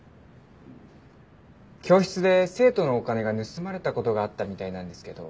教室で生徒のお金が盗まれた事があったみたいなんですけど。